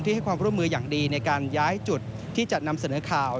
ให้ความร่วมมืออย่างดีในการย้ายจุดที่จะนำเสนอข่าว